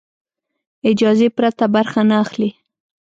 اجازې پرته برخه نه اخلي.